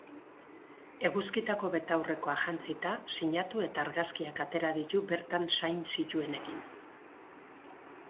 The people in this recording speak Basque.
Eguzkitako betaurrekoak jantzita, sinatu eta argazkiak atera ditu bertan zain zituenekin.